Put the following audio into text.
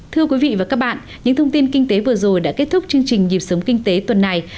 thưa quý vị và các bạn những thông tin kinh tế vừa rồi đã kết thúc chương trình nhịp sống kinh tế tuần này